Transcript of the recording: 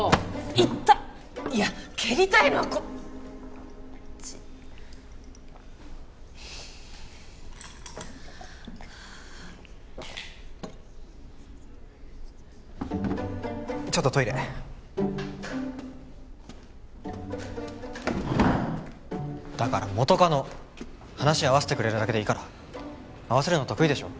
イッタいや蹴りたいのはこっちちょっとトイレだから元カノ話合わせてくれるだけでいいから合わせるの得意でしょ？